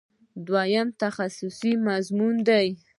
دوهم تخصصي مضامین دي.